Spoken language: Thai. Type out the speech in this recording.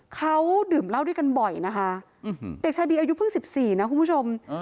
เขาดื่มเหล้าด้วยกันบ่อยนะคะเด็กชายบีอายุเพิ่ง๑๔นะคุณผู้ชม